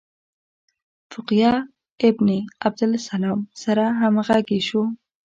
فقیه ابن عبدالسلام سره همغږي شو.